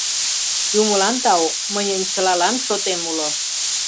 — Юмылан тау, мыньын чылалан шотем уло.